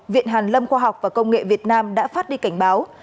viện hàn lâm khoa học và công nghệ việt nam đã phát đi cảnh báo